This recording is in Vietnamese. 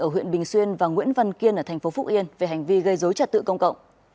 ở huyện bình xuyên và nguyễn văn kiên ở tp phúc yên về hành vi gây dối trật tự công cộng